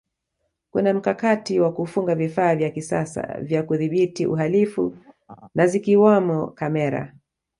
kuna mkakati wa kufunga vifaa vya kisasa vya kudhibiti uhalifu na zikiwamo kamera